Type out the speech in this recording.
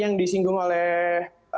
yang disinggung oleh